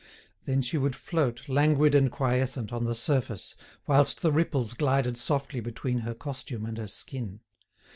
Then she would float, languid and quiescent, on the surface, whilst the ripples glided softly between her costume and her skin.